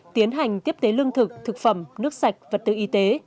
tiến hành tiếp tế lương thực thực phẩm nước sạch vật tư y tế